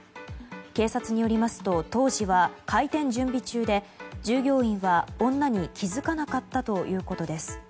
警察によりますと当時は開店準備中で、従業員は女に気づかなかったということです。